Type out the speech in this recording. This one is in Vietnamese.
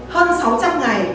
hơn sáu trăm linh ngày